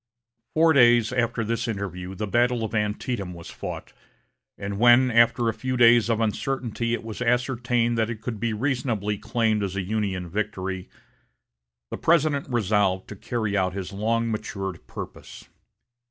Four days after this interview the battle of Antietam was fought, and when, after a few days of uncertainty it was ascertained that it could be reasonably claimed as a Union victory, the President resolved to carry out his long matured purpose.